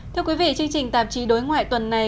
thưa quý vị chương trình tạp chí đối ngoại tuần này